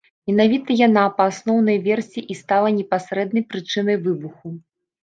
Менавіта яна, па асноўнай версіі, і стала непасрэднай прычынай выбуху.